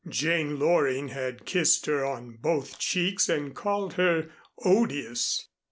Jane Loring had kissed her on both cheeks and called her "odious."